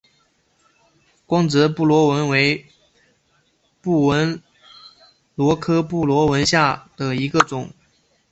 光泽布纹螺为布纹螺科布纹螺属下的一个种。